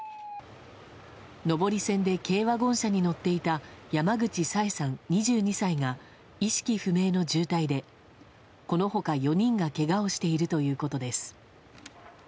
上り線で軽ワゴン車に乗っていた山口冴さん、２２歳が意識不明の重体で、この他４人がけがをしているということです。